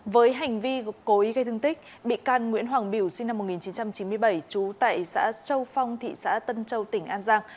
với hành vi gội gây thương tích bị can nguyễn hoàng biểu sinh năm một nghìn chín trăm chín mươi bảy trú tại xã châu phong thị xã tân châu tỉnh an giang